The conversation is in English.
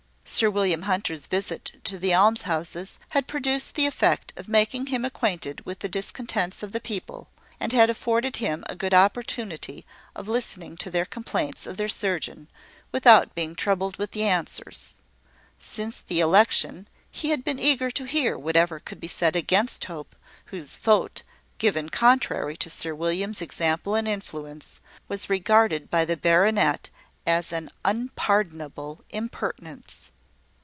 Sir William Hunter's visit to the almshouses had produced the effect of making him acquainted with the discontents of the people, and had afforded him a good opportunity of listening to their complaints of their surgeon, without being troubled with the answers. Since the election, he had been eager to hear whatever could be said against Hope, whose vote, given contrary to Sir William's example and influence, was regarded by the baronet as an unpardonable impertinence.